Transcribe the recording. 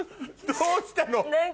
どうしたの？